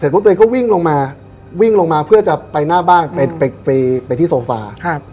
เสร็จปุ๊บตัวเองก็วิ่งลงมาเพื่อจะไปหน้าบ้านไปที่โซฟา